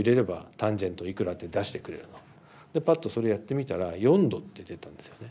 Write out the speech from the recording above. でぱっとそれやってみたら「４°」って出たんですよね。